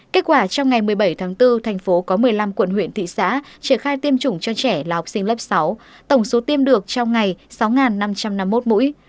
kết quả trong ngày một mươi bảy tháng bốn thành phố có một mươi năm quận huyện thị xã triển khai tiêm chủng cho trẻ là học sinh lớp sáu tổng số tiêm được trong ngày sáu năm trăm năm mươi một mũi